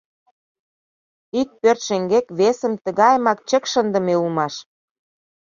Ик пӧрт шеҥгек весым тыгайымак чык шындыме улмаш.